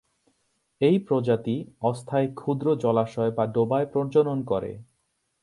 এই প্রজাতি অস্থায়ী ক্ষুদ্র জলাশয় বা ডোবায় প্রজনন করে।